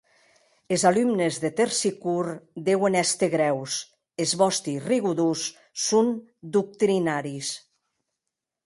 Es alumnes de Tersicore deuen èster grèus, es vòsti rigodons son doctrinaris.